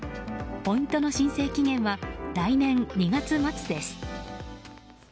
ポイントの申請期限は来年２月末です。